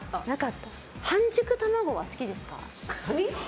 半熟卵は好きですか？